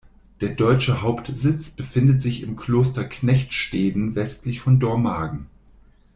Der deutsche Hauptsitz befindet sich im Kloster Knechtsteden westlich von Dormagen.